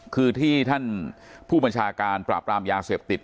คือที่ท่านผู้บัญชาการปราบรามยาเสพติด